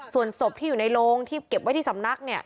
ส่วนศพที่อยู่ในโรงที่เก็บไว้ที่สำนักเนี่ย